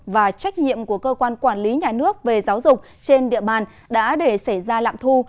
và trách nhiệm của cơ quan quản lý nhà nước về giáo dục trên địa bàn đã để xảy ra lạm thu